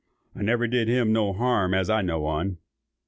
_I never did him no harm as I know on.